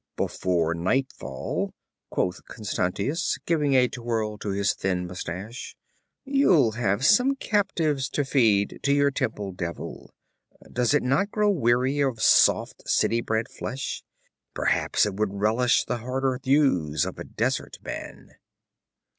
'Before nightfall,' quoth Constantius, giving a twirl to his thin mustache, 'you'll have some captives to feed to your temple devil. Does it not grow weary of soft, city bred flesh? Perhaps it would relish the harder thews of a desert man.'